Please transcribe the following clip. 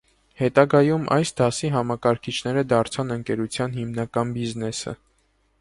Հետագայում այս դասի համակարգիչները դարձան ընկերության հիմնական բիզնեսը։